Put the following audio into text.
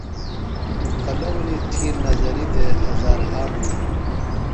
قلورِیۡ تھی نظرِیۡ دے ہزار ہا مُڑہ۔